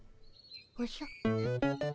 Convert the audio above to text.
おじゃ？